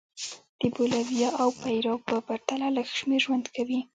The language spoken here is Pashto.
د بولیویا او پیرو په پرتله لږ شمېر ژوند کوي.